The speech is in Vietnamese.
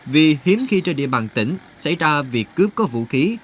vì hiếm khi trên địa bàn tỉnh xảy ra việc cướp có vũ khí